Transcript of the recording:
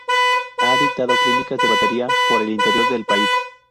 Ha dictado clínicas de batería por el interior del país.